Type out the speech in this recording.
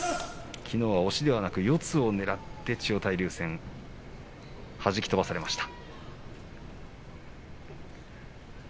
きのうは押しではなく四つをねらって千代大龍戦はじき飛ばされました。